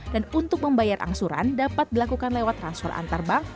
dan untuk membayar angsuran dapat dilakukan lewat transfer antarbank